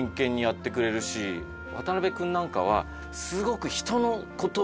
渡辺君なんかはすごく。